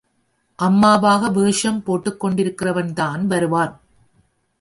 அம்மாவாக வேஷம் போட்டுக் கொண்டிருக்கிறவன்தான் வருவான்.